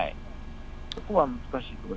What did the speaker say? そこは難しいところ。